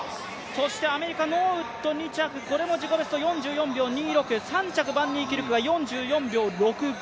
そしてアメリカ、ノーウッド２着、これも自己ベスト、４４秒２６、３着バンニーキルクが４４秒６５。